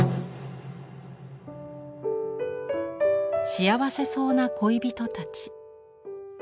幸せそうな恋人たち。